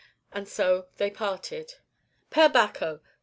And so they parted. "_Per Bacco!